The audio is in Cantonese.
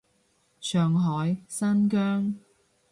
上海，新疆